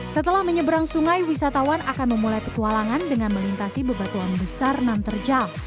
setelah menyeberang sungai wisatawan akan memulai petualangan dengan melintasi bebatuan besar nan terjal